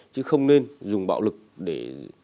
chứ không nên dùng bạo lực để